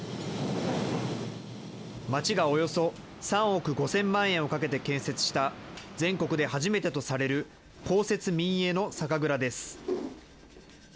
町がおよそ３億５０００万円をかけて建設した全国で初めてとされる、公設民営の酒蔵です。